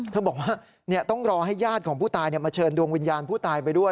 บอกว่าต้องรอให้ญาติของผู้ตายมาเชิญดวงวิญญาณผู้ตายไปด้วย